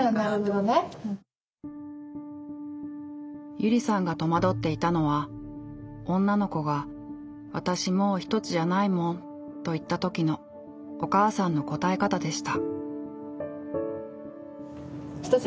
ゆりさんが戸惑っていたのは女の子が「あたしもうひとつじゃないもん」と言った時のお母さんの答え方でした。